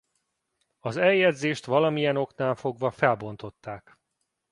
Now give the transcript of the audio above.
Az eljegyzést valamilyen oknál fogva felbontották.